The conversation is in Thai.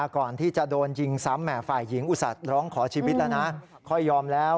ก่อนที่จะโดนยิงซ้ำฝ่ายหญิงอุวสัจร้องขอชีวิตแล้วนะครับ